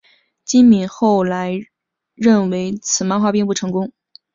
今敏后来认为此漫画并不成功。